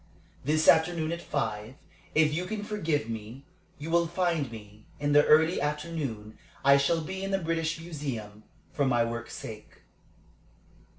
"This afternoon at five, if you can forgive me, you will find me. In the early afternoon I shall be in the British Museum, for my work's sake."